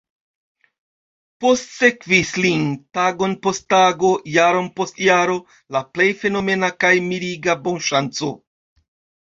Postsekvis lin, tagon post tago, jaron post jaro, la plej fenomena kaj miriga bonŝanco.